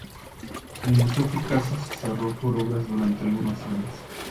El Museo Picasso se cerró por obras durante algunos años.